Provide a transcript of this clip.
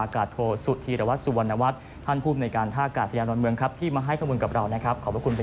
ขอบคุณมากครับ